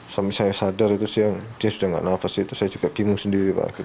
suami saya sadar itu siang dia sudah tidak nafas itu saya juga bingung sendiri pak